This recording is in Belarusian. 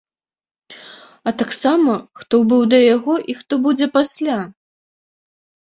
А таксама, хто быў да яго і хто будзе пасля?